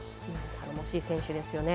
頼もしい選手ですよね。